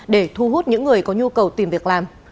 để thu hút những người có nhu cầu tìm việc làm